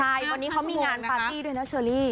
ใช่วันนี้เขามีงานปาร์ตี้ด้วยนะเชอรี่